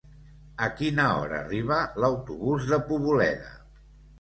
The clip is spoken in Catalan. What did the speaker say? A quina hora arriba l'autobús de Poboleda?